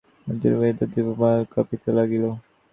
নক্ষত্রশ্রেণী বায়ুব্যাহত দীপমালার ন্যায় কাঁপিতে লাগিল।